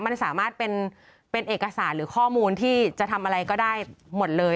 มันสามารถเป็นเอกสารหรือข้อมูลที่จะทำอะไรก็ได้หมดเลย